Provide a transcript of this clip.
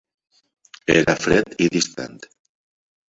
Era fred i distant.